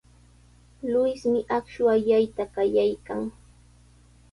Luismi akshu allayta qallaykan.